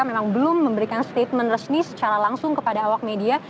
memang belum memberikan statement resmi secara langsung kepada awak media